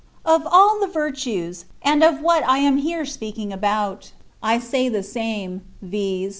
Of all the virtues, and of what I am here speakins about, I say the same, viz.